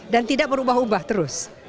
dan tidak berubah ubah terus